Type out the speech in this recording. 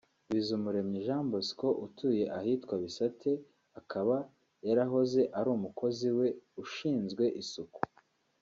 Bizumuremyi Jean Bosco utuye ahitwa Bisate akaba yarahoze ari umukozi we ushinzwe isuku